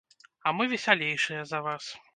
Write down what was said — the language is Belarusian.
А мы весялейшыя за вас.